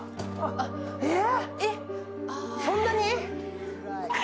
えっ、そんなに？